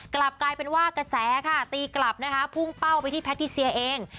กลับกลายเป็นว่ากระแสค่ะตีกลับนะคะพุ่งเป้าไปที่แพทิเซียเอง